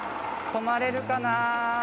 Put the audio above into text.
止まれるかな？